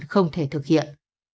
không thể thực hiện